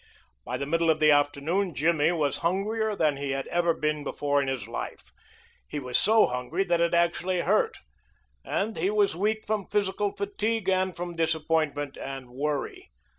By the middle of the afternoon Jimmy was hungrier than he had ever been before in his life. He was so hungry that it actually hurt, and he was weak from physical fatigue and from disappointment and worry.